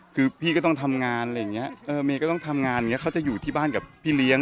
คือพี่ก็ต้องทำงานเมย์ก็ต้องทำงานเขาจะอยู่ที่บ้านกับพี่เลี้ยง